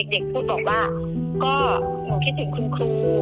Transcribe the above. เด็กพูดบอกว่าก็หนูคิดถึงคุณครู